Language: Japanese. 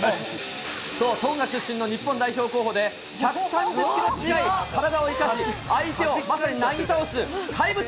そう、トンガ出身の日本代表候補で、１３０キロ近い体を生かし、相手をまさになぎ倒す怪物。